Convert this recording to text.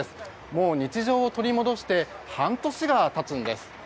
もう日常を取り戻して半年が経つんです。